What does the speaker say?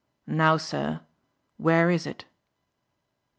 Now, sir, where is it?"